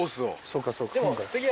そうかそうか。